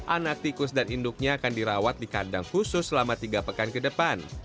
anak tikus dan induknya akan dirawat di kandang khusus selama tiga pekan ke depan